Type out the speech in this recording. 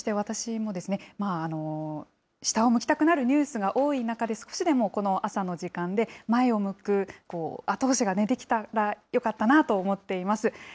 そして私も、下を向きたくなるニュースが多い中で、少しでもこの朝の時間で、前を向く後押しができたらよかったなと思っています。